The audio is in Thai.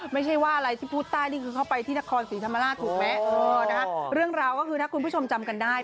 ไม่ใช่ว่าอะไรที่พูดใต้นี่คือเข้าไปที่นครศรีธรรมราชถูกไหมเออนะคะเรื่องราวก็คือถ้าคุณผู้ชมจำกันได้